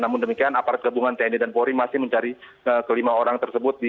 namun demikian aparat gabungan tni dan polri masih mencari kelima orang tersebut